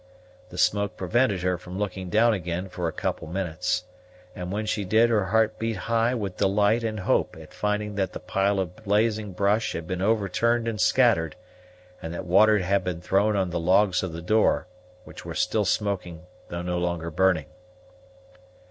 The smoke prevented her from looking down again for a couple of minutes; but when she did her heart beat high with delight and hope at finding that the pile of blazing brush had been overturned and scattered, and that water had been thrown on the logs of the door, which were still smoking though no longer burning.